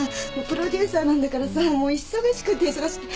プロデューサーなんだからさもう忙しくて忙しくて。